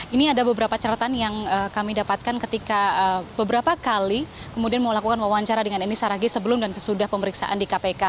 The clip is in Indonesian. ini ada beberapa catatan yang kami dapatkan ketika beberapa kali kemudian melakukan wawancara dengan eni saragih sebelum dan sesudah pemeriksaan di kpk